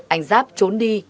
anh giáp trốn đi